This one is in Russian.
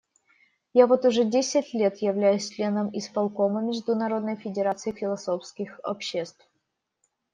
Я вот уже десять лет являюсь членом исполкома Международной федерации философских обществ.